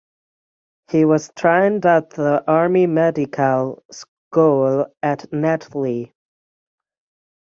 He was trained at the Army Medical School at Netley.